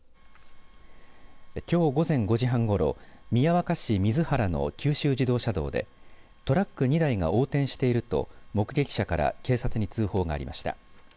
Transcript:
きょう午前５時半ごろ宮若市水原の九州自動車道でトラック２台が横転していると目撃者から警察に通報がありました。